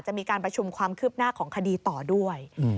จะมีการประชุมความคืบหน้าของคดีต่อด้วย